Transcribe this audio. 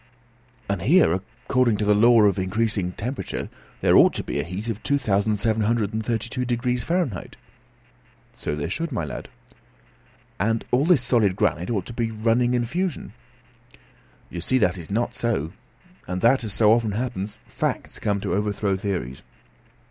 "And here, according to the law of increasing temperature, there ought to be a heat of 2,732° Fahr.!" "So there should, my lad." "And all this solid granite ought to be running in fusion." "You see that it is not so, and that, as so often happens, facts come to overthrow theories."